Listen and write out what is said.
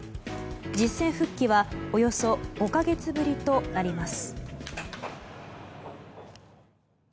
実戦復帰はおよそ５か月ぶりとなります。